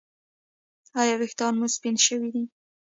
ایا ویښتان مو سپین شوي دي؟